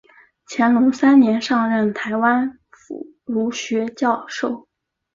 乾隆三年上任台湾府儒学教授。